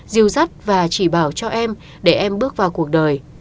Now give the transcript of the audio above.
dìu dắt và chỉ bảo cho em để em bước vào cuộc đời